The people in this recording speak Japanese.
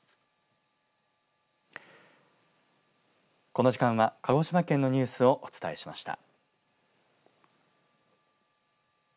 この時間は、鹿児島県のニュースをお伝えしました。